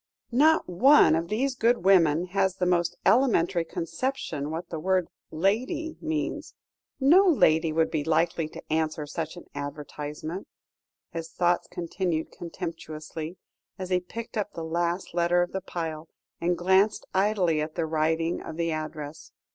"Not one of these good women has the most elementary conception what the word 'lady' means. No lady would be likely to answer such an advertisement," his thoughts continued contemptuously, as he picked up the last letter of the pile, and glanced idly at the writing of the address.